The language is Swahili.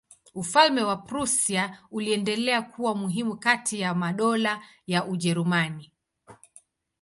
Ufalme wa Prussia uliendelea kuwa muhimu kati ya madola ya Ujerumani.